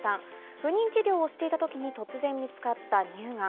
不妊治療をしていた時に突然見つかった乳がん。